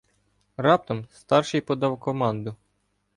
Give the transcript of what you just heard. Раптом старший подав команду.